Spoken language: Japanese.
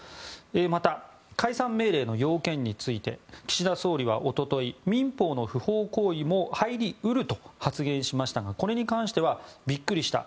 また、解散命令の要件について岸田総理は一昨日民法の不法行為も入り得ると発言しましたがこれに関してはビックリした。